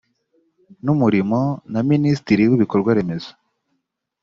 n umurimo na minisitiri w ibikorwa remezo